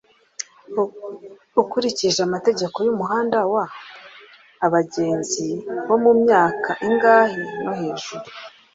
Ukurikije amategeko y’umuhanda wa , Abagenzi bo mu myaka ingahe no hejuru